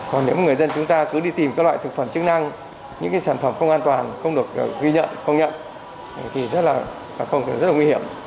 các người dân chúng ta cứ đi tìm các loại thực phẩm chức năng những sản phẩm không an toàn không được ghi nhận công nhận thì rất là không thể rất là nguy hiểm